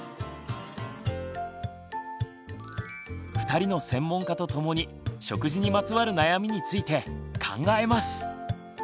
２人の専門家と共に食事にまつわる悩みについて考えます！